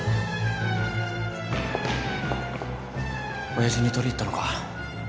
親父に取り入ったのか？